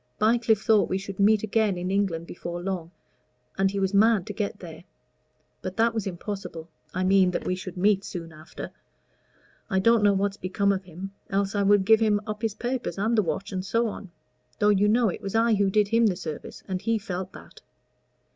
Bycliffe thought we should meet again in England before long, and he was mad to get there. But that was impossible I mean that we should meet soon after. I don't know what's become of him, else I would give him up his papers and the watch, and so on though, you know, it was I who did him the service, and he felt that."